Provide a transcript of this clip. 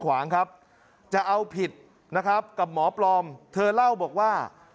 ขวางครับจะเอาผิดนะครับกับหมอปลอมเธอเล่าบอกว่า